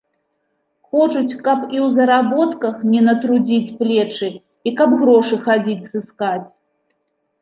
Хочуць, каб і ў заработках не натрудзіць плечы і каб грошы хадзіць сыскаць.